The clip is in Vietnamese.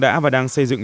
đã và đang xây dựng